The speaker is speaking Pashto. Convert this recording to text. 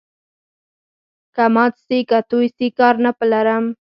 که مات سي که توی سي، کار نه په لرم.